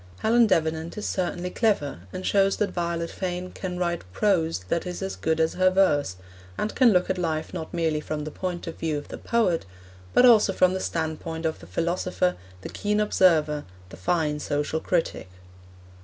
Helen Davenant is certainly clever, and shows that Violet Fane can write prose that is as good as her verse, and can look at life not merely from the point of view of the poet, but also from the standpoint of the philosopher, the keen observer, the fine social critic.